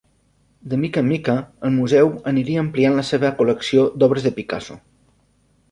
De mica en mica el museu aniria ampliant la seva col·lecció d'obres de Picasso.